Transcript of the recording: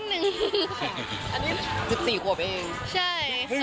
นิดหนึ่ง